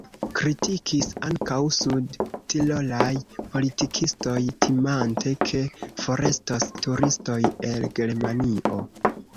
Kritikis ankaŭ sudtirolaj politikistoj, timante, ke forestos turistoj el Germanio.